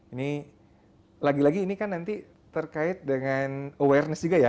ini lagi lagi ini kan nanti terkait dengan awareness juga ya